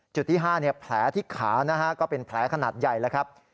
จุดที่๕แผลที่ขานะฮะก็เป็นแผลขนาดใหญ่แล้วครับ